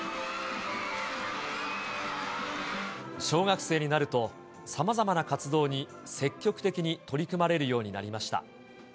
小学生になると、さまざまな活動に積極的に取り組まれるようになりました。